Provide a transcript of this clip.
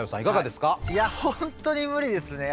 いや本当に無理ですね。